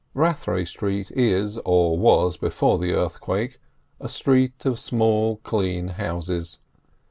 Rathray Street is, or was before the earthquake, a street of small clean houses.